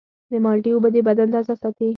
د مالټې اوبه د بدن تازه ساتي.